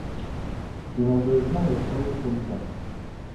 Il en devient le premier président.